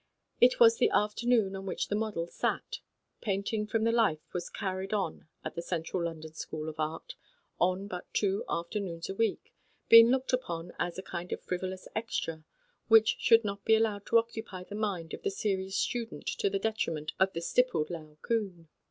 It was the afternoon on which the model sat. Painting from the life was carried on at the THE CENTRAL LONDON SCHOOL OF ART. 85 Central London School of Art in those days on but two afternoons a week ; it was looked upon as a kind of frivolous extra which should not be allowed to occupy the mind of the serious student to the detriment of the stippled Laocoon.